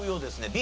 Ｂ。